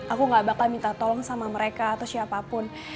aku gak bakal minta tolong sama mereka atau siapapun